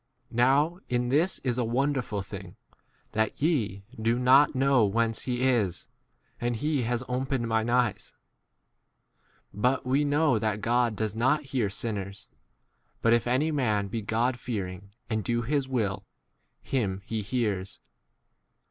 Now in this ia a wonderful thing, that ye ' do not know whence he is, and he has 31 opened mine eyes. But m we know that God does not hear sinners ; but if any man be Godfearing and 1 32 do his will, him he hears.